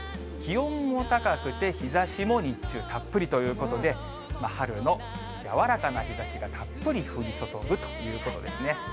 気温も高くて、日ざしも日中たっぷりということで、春の柔らかな日ざしがたっぷり降り注ぐということですね。